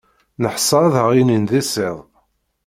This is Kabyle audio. Neḥṣa ad aɣ-inin d isiḍ.